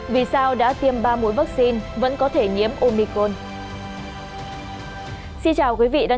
vì sao đã tiêm ba mũi vaccine vẫn có thể nhiễm omico